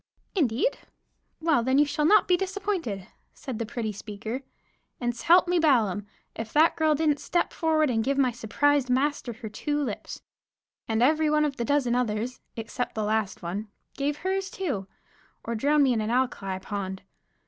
"Indeed? Well, then you shall not be disappointed," said the pretty speaker; and, s'help me Balaam! If that girl didn't step forward and give my surprised master her two lips. And every one of the dozen others, except the last one, gave hers too, or drown me in an alkali pond.